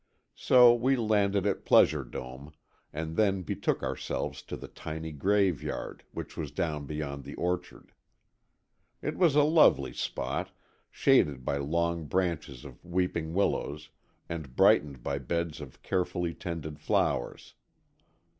So we landed at Pleasure Dome, and then betook ourselves to the tiny graveyard, which was down beyond the orchard. It was a lovely spot, shaded by the long branches of weeping willows and brightened by beds of carefully tended flowers.